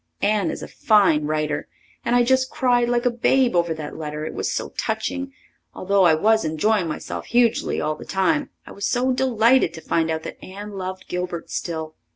Anne is a fine writer, and I just cried like a babe over that letter, it was so touching, although I was enjoying myself hugely all the time, I was so delighted to find out that Anne loved Gilbert still.